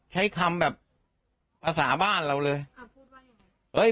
ใช้คำแบบภาษาบ้านเราเลย